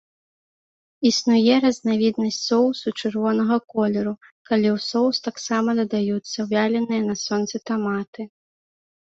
Існуе разнавіднасць соусу чырвонага колеру, калі ў соус таксама дадаюцца вяленыя на сонцы таматы.